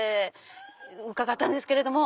伺ったんですけれども。